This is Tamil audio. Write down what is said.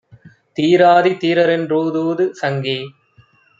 தீராதி தீரரென் றூதூது சங்கே!